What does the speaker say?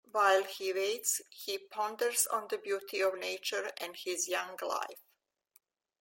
While he waits, he ponders on the beauty of nature and his young life.